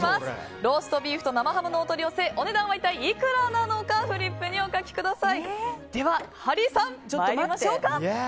ローストビーフと生ハムのお取り寄せお値段は一体いくらなのかフリップにお書きください。